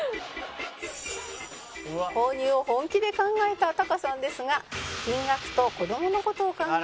「購入を本気で考えたタカさんですが金額と子どもの事を考え